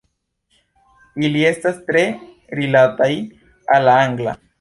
Ili estas tre rilataj al la angla.